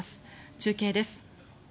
中継です。